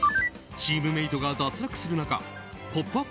チームメートが脱落する中「ポップＵＰ！」